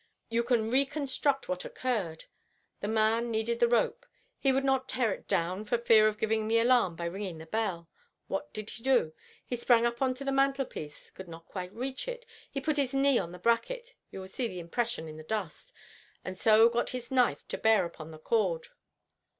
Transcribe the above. You can reconstruct what occurred. The man needed the rope. He would not tear it down for fear of giving the alarm by ringing the bell. What did he do? He sprang up on the mantelpiece, could not quite reach it, put his knee on the bracket—you will see the impression in the dust—and so got his knife to bear upon the cord.